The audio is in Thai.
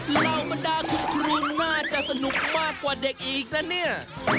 เหล่าบรรดาคุณครูน่าจะสนุกมากกว่าเด็กอีกนะเนี่ย